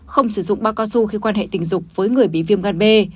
không sử dụng ba cao su khi quan hệ tình dục với người bị viêm gan b